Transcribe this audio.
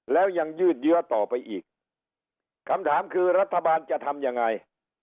แล้วยังยืดเยื้อต่อไปอีกคำถามคือรัฐบาลจะทำยังไง